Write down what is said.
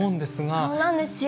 そうなんですよ。